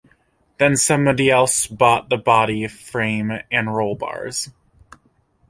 Then somebody else bought the body, frame and roll bars.